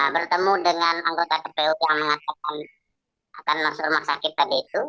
bertemu dengan anggota kpu yang mengatakan akan masuk rumah sakit tadi itu